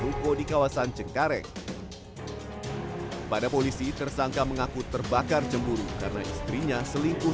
ruko di kawasan cengkareng pada polisi tersangka mengaku terbakar cemburu karena istrinya selingkuh